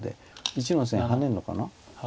１の線ハネるのかな。